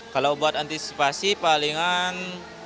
kalau buat antisipasi palingan